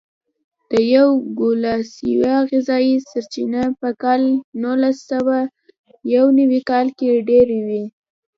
د یوګوسلاویا غذایي سرچینې په کال نولسسوهیونوي کال کې ډېرې وې.